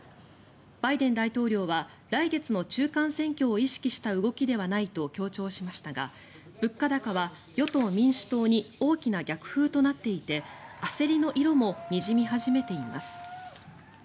バイデン大統領は来月の中間選挙を意識した動きではないと強調しましたが物価高は与党・民主党に大きな逆風となっていて焦りの色もにじみ始めています。